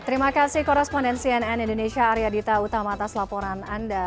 terima kasih koresponden cnn indonesia arya dita utama atas laporan anda